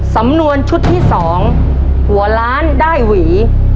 สำนวนชุดที่๒หัวล้านได้หวี